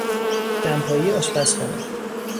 دمپایی آشپزخانه